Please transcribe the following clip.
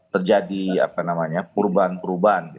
terjadi apa namanya perubahan perubahan